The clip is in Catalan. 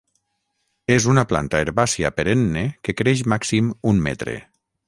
És una planta herbàcia perenne que creix màxim un metre.